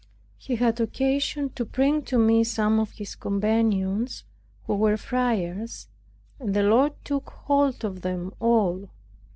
He had occasion to bring to me some of his companions who were friars; and the Lord took hold of them all.